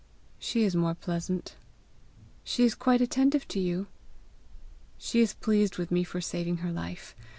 "She is more pleasant." "She is quite attentive to you!" "She is pleased with me for saving her life.